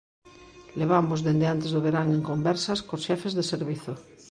Levamos dende antes do verán en conversas cos xefes de servizo.